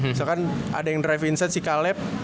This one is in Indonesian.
misalkan ada yang drive vincent si kaleb